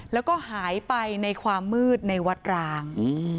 แล้วก็หายไปในความมืดในวัดราง